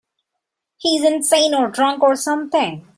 He's insane or drunk or something.